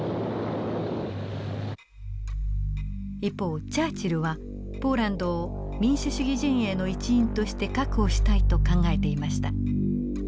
一方チャーチルはポーランドを民主主義陣営の一員として確保したいと考えていました。